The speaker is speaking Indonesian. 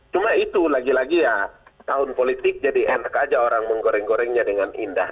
cuma itu lagi lagi ya tahun politik jadi enak aja orang menggoreng gorengnya dengan indah